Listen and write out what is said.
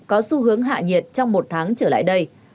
có xu hướng hạ nhiệt trong một tháng trở lại đây